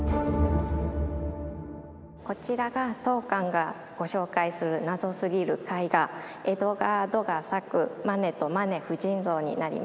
こちらが当館がご紹介するナゾすぎる絵画エドガー・ドガ作「マネとマネ夫人像」になります。